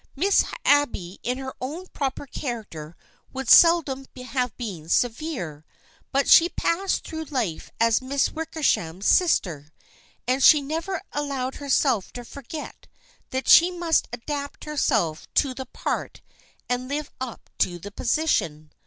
Miss Abby in her own proper character would seldom have been severe, but she passed through life as Miss Wickersham's sister, and she never allowed herself to forget that she must adapt herself to the part and live up to the position.